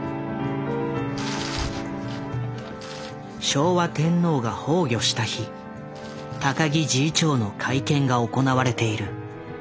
昭和天皇が崩御した日高木侍医長の会見が行われている。